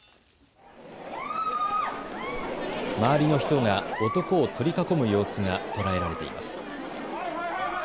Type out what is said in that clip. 周りの人が男を取り囲む様子が捉えられています。